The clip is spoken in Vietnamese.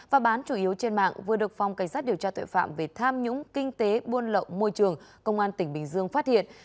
và bán chủ yếu trên mạng vừa được phòng cảnh sát điều tra tội phạm về tham nhũng kinh tế buôn lậu môi trường công an tỉnh bình dương phát hiện